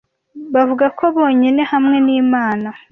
bavuga ko bonyine hamwe n'imana